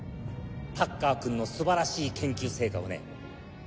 タッカー君のすばらしい研究成果をね